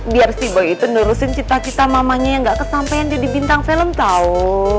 biar si bo itu nurusin cita cita mamanya yang gak kesampean jadi bintang film tahu